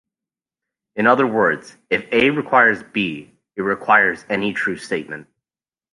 In other words, if A requires B, it requires any true statement.